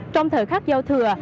trong thời khắc giao thừa